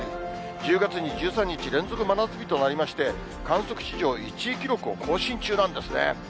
１０月に１３日連続真夏日となりまして、観測史上１位記録を更新中なんですね。